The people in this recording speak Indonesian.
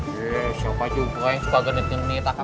yee siapa juga yang suka genit genit akar